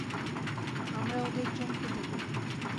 আমরা ওদের চমকে দেবো।